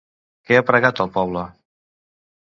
Què ha pregat al poble?